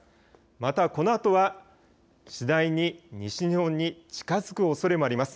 また、このあとは次第に西日本に近づくおそれもあります。